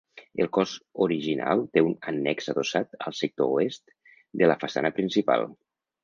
El cos original té un annex adossat al sector oest de la façana principal.